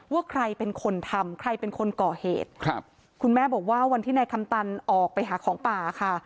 ว่าใครเป็นคนทำใครเป็นคนก่อเหตุครับคุณแม่บอกว่าวันที่นายคำตันออกไปหาของป่าค่ะ